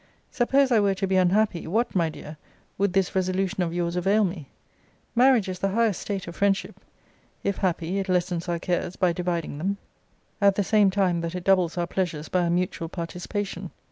Suppose I were to be unhappy, what, my dear, would this resolution of yours avail me? Marriage is the highest state of friendship: if happy, it lessens our cares, by dividing them, at the same time that it doubles our pleasures by a mutual participation.